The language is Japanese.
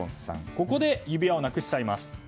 ここで指輪をなくしちゃいます。